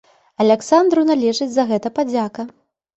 Аляксандру належыць за гэта падзяка.